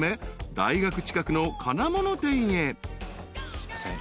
すいません。